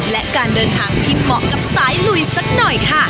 และการเดินทางที่เหมาะกับสายลุยสักหน่อยค่ะ